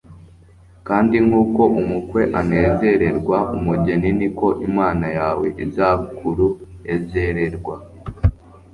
kandi nk'uko umukwe anezererwa umugeni ni ko Imana yawe izakuruezererwa.